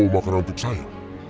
kamu mau makan untuk saya